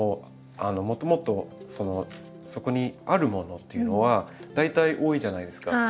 もともとそこにあるものというのは大体多いじゃないですか。